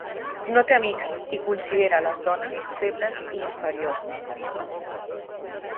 No té amics, i considera les dones febles i inferiors.